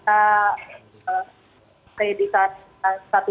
sampai di saat